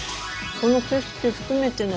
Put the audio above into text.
この景色含めての。